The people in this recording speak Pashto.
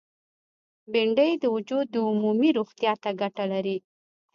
بېنډۍ د وجود عمومي روغتیا ته ګټه لري